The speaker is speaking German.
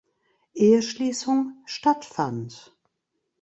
Eheschließung stattfand.